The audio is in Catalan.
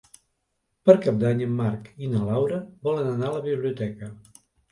Per Cap d'Any en Marc i na Laura volen anar a la biblioteca.